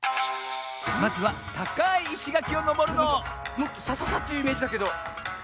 まずはたかいいしがきをのぼるのもっとサササッというイメージだけど。